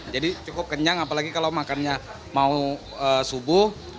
jadi cukup kenyang apalagi kalau makannya mau subuh